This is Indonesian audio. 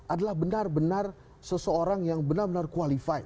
adalah benar benar seseorang yang benar benar qualified